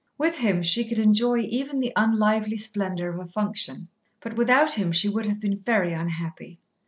With him she could enjoy even the unlively splendour of a function, but without him she would have been very unhappy.